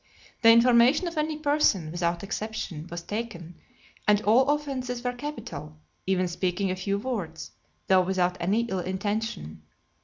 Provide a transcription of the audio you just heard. The information of any person, without exception, was taken; and all offences were capital, even speaking (230) a few words, though without any ill intention.